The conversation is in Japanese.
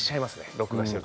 録画していると。